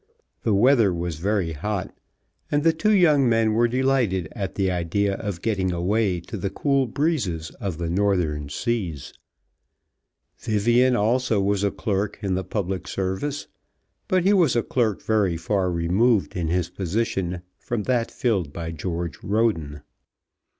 The weather was very hot, and the two young men were delighted at the idea of getting away to the cool breezes of the Northern Seas. Vivian also was a clerk in the public service, but he was a clerk very far removed in his position from that filled by George Roden.